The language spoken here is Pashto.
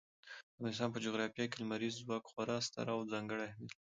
د افغانستان په جغرافیه کې لمریز ځواک خورا ستر او ځانګړی اهمیت لري.